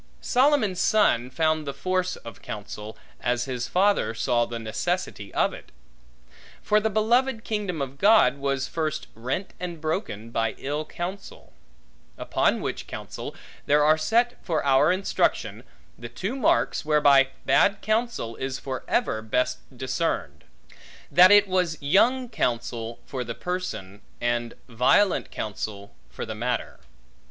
Solomon's son found the force of counsel, as his father saw the necessity of it. For the beloved kingdom of God, was first rent, and broken, by ill counsel; upon which counsel, there are set for our instruction, the two marks whereby bad counsel is for ever best discerned; that it was young counsel, for the person; and violent counsel, for the matter.